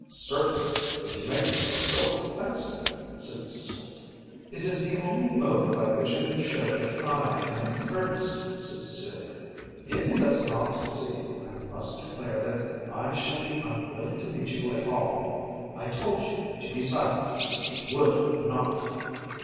"Certainly, if you make yourself so offensive," said Mrs. Holt. "It is the only mode by which I can show that I am in earnest," said Cecilia. "If it does not succeed, I must declare that I shall be unwilling to meet you at all. I told you to be silent, and you would not."